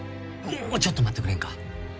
もうちょっと待ってくれんか？